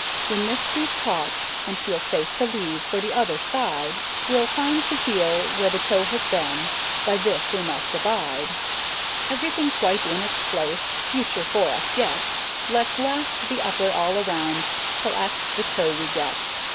When this we've caught, and feel safe to leave For the other side, We'll find the heel where the toe has been, By this we must abide. Everything quite in its place, The future for us yet; Let's last the upper all around, 'Till at the toe we get.